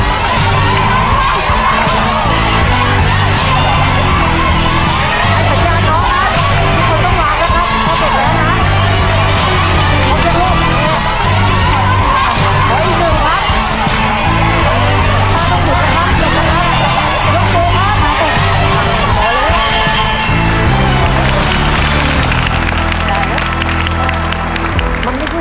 สุดท้ายแล้วครับ